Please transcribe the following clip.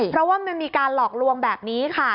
เพราะว่ามันมีการหลอกลวงแบบนี้ค่ะ